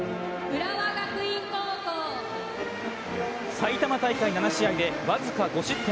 埼玉大会７試合で僅か５失点。